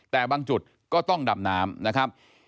แต่บางจุดก็ต้องดำน้ำนะครับ